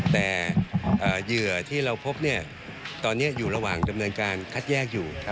แต่เหยื่อที่เราพบตอนนี้อยู่ระหว่างดำเนินการคัดแยกอยู่